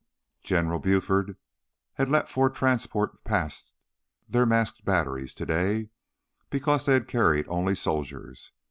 General Buford had let four transports past their masked batteries today because they had carried only soldiers.